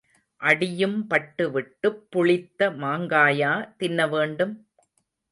அடியும் பட்டுவிட்டுப் புளித்த மாங்காயா தின்னவேண்டும்?